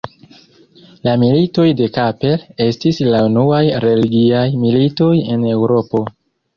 La Militoj de Kappel estis la unuaj religiaj militoj en Eŭropo.